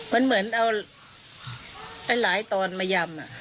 มันเหมือนเอาหลายตอนมายำ